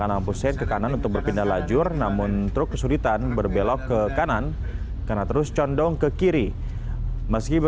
aduh ini kan membahayakan pengguna lalu lintas yang lain